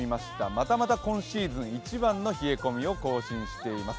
またまた今シーズン一番の冷え込みを更新しています。